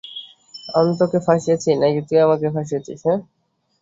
আমি তোকে ফাঁসিয়েছি নাকি তুই আমাকে ফাঁসিয়েছিস, হাহ?